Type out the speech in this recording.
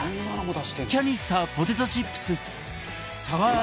キャニスターポテトチップスサワークリーム味！